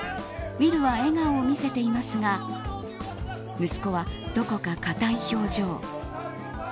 ウィルは笑顔を見せていますが息子はどこか硬い表情。